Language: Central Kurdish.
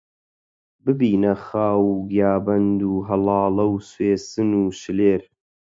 ببینە خاو و گیابەند و هەڵاڵە و سوێسن و شللێر